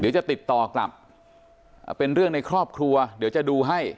เดี๋ยวจะติดต่อกลับเป็นเรื่องในครอบครัวเดี๋ยวจะดูให้